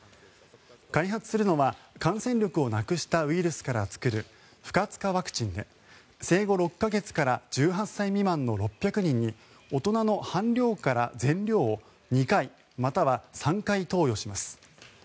開発するのは感染力をなくしたウイルスから作る不活化ワクチンで生後６か月から１８歳未満の６００人に大人の半量から全量を２回または３回投与します。